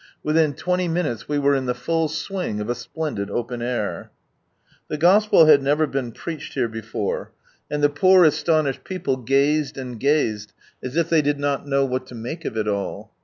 Within twenty minutes we were in the full swing of a splendid open air. The Gospel had never been preached here before, and the poor astonished people gazed and gazed, as if they did not know what to make q( it all.